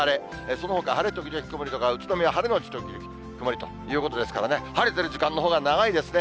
そのほか晴れ時々曇りとか、宇都宮晴れ後時々曇りということですから、晴れてる時間のほうが長いですね。